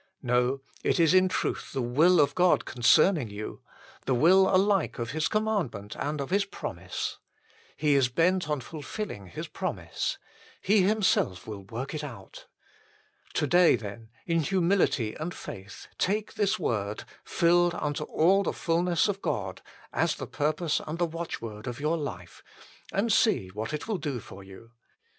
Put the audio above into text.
No ; it is in truth the will of God concerning you : the will alike of His commandment and of His promise. 1 John v. 30, vi. 38, xii. 49, xiv. 10. HOW IT COMES TO ITS MANIFESTATION 135 He is bent on fulfilling His promise : He Himself will work it out. To day, then, in humility and faith take this word, " FILLED UNTO ALL THE FULNESS OF GOD," as the purpose and the watchword of your life, and see what it will do for you.